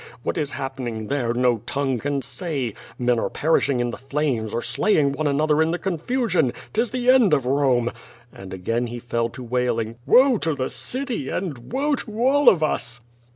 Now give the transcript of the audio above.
What is happening there, no tongue can say. Men are perishing in the flames, or slaying one another in the confusion. 'Tis the end of Rome." And again he fell to wailing, Woe to the city, and woe to all of us!"